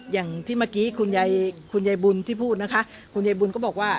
อย่างที่เมื่อกี้คุณยายคุณยายบุญที่พูดนะคะคุณยายบุญก็บอกว่า